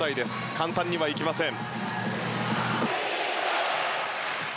簡単にはいきません。